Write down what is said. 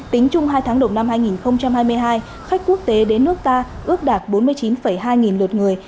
tính chung hai tháng đầu năm hai nghìn hai mươi hai khách quốc tế đến nước ta ước đạt bốn mươi chín hai nghìn lượt người